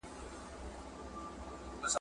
د پردیو خلوتونو په تیارو کي به ښخیږي ,